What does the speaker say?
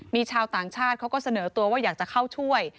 มีชาวต่างชาติเขาก็เสนอตัวว่าอยากจะเข้าช่วย